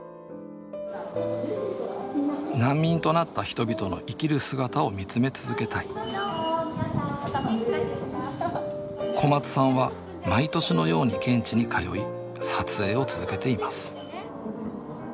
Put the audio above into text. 難民となった人々の生きる姿をみつめ続けたい小松さんは毎年のように現地に通い撮影を続けています。